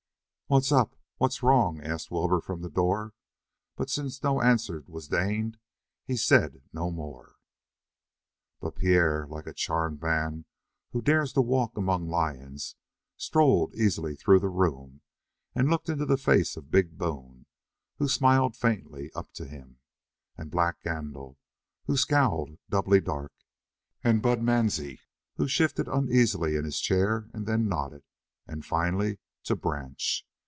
"What's up? What's wrong?" asked Wilbur from the door, but since no answer was deigned he said no more. But Pierre, like a charmed man who dares to walk among lions, strolled easily through the room, and looked into the face of big Boone, who smiled faintly up to him, and Black Gandil, who scowled doubly dark, and Bud Mansie, who shifted uneasily in his chair and then nodded, and finally to Branch.